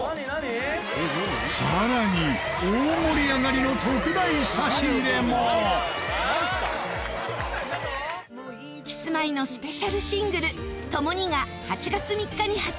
更に大盛り上がりのキスマイのスペシャルシングル『ともに』が８月３日に発売